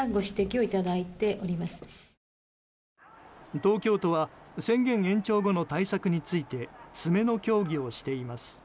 東京都は宣言延長後の対策について詰めの協議をしています。